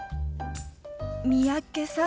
三宅さん？